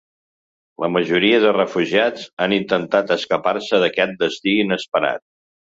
La majoria de refugiats han intentat escapar-se d’aquest destí inesperat.